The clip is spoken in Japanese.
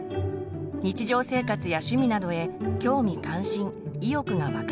日常生活や趣味などへ興味関心・意欲がわかない。